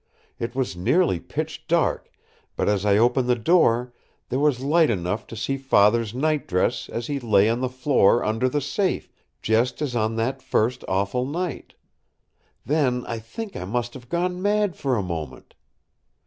It was nearly pitch dark, but as I opened the door there was light enough to see Father's nightdress as he lay on the floor under the safe, just as on that first awful night. Then I think I must have gone mad for a moment."